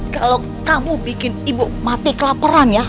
kalau kamu bikin ibu mati kelaperan ya